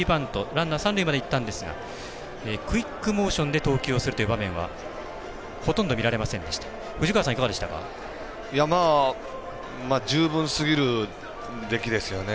ランナー三塁までいったんですがクイックモーションで投球するという場面は十分すぎる出来ですよね。